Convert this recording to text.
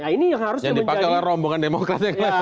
ini yang harus dipakai oleh rombongan demokrasi